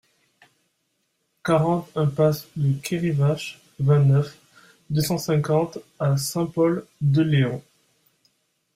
quarante impasse de Kerivarc'h, vingt-neuf, deux cent cinquante à Saint-Pol-de-Léon